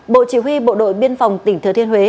bộ chỉ huy bộ đội biên phòng tỉnh thừa thiên huế